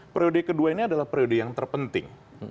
periode kedua ini adalah periode yang terpenting